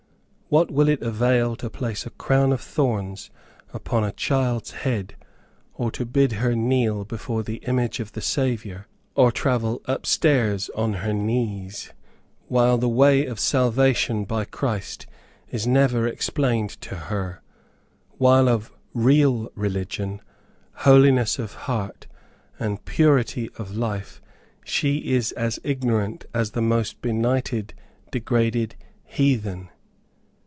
What will it avail to place a crown of thorns upon a child's head, or to bid her kneel before the image of the Saviour, or travel up stairs on her knees, while the way of salvation by Christ is never explained to her; while of real religion, holiness of heart, and purity of life she is as ignorant as the most benighted, degraded heathen?